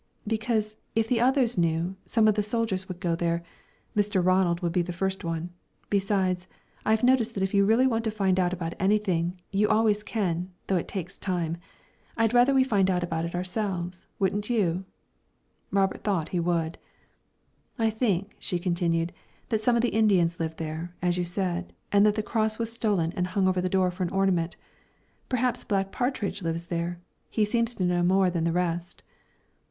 "Because, if the others knew, some of the soldiers would go there Mr. Ronald would be the first one. Besides, I've noticed that if you really want to find out about anything, you always can, though it takes time. I'd rather we'd find out by ourselves, wouldn't you?" Robert thought he would. "I think," she continued, "that some of the Indians live there, as you said, and that the cross was stolen and hung over the door for an ornament. Perhaps Black Partridge lives there he seems to know more than the rest."